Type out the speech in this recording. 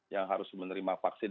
yang harus menerima vaksin